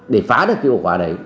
để phá được cái ổ khóa đấy